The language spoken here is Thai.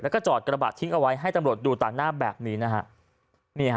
แล้วก็จอดกระบะทิ้งเอาไว้ให้ตำรวจดูต่างหน้าแบบนี้นะฮะ